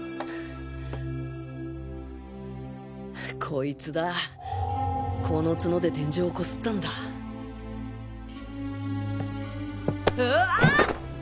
こいつだこの角で天井をこすったんだうわあっ！？